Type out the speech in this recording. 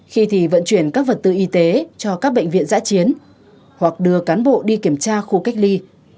khi thì vận chuyển các vật tư y tế cho các bệnh viện giã chiến hoặc đưa cán bộ đi kiểm tra khu cách ly